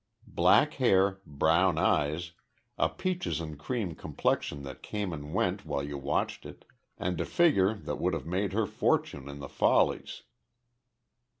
Black hair, brown eyes, a peaches and cream complexion that came and went while you watched it, and a figure that would have made her fortune in the Follies.